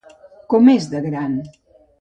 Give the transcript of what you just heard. Com és de gran?